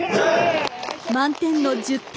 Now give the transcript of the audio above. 満点の１０点。